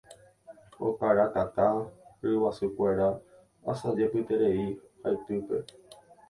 Okarakaka ryguasukuéra asajepyterei haitýpe.